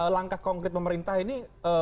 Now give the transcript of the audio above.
langkah konkret pemerintah ini